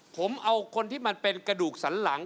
ผมเอาคนที่มันเป็นกระดูกสันหลัง